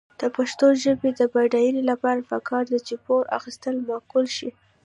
د پښتو ژبې د بډاینې لپاره پکار ده چې پور اخیستل معقول شي.